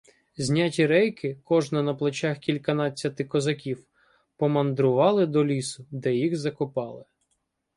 Зняті рейки — кожна на плечах кільканадцяти козаків — "помандрували" до лісу, де їх закопали.